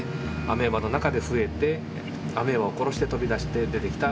アメーバの中で増えてアメーバを殺して飛び出して出てきた